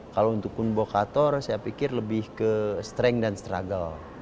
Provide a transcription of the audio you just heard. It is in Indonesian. kalau untuk kun bokator saya pikir lebih ke strength dan struggle